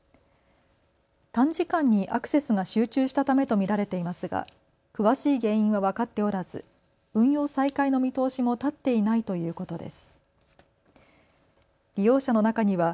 短時間にアクセスが集中したためと見られていますが詳しい原因は分かっておらず運用再開の見通しも立っていないということです。